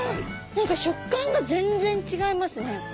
何か食感が全然違いますね。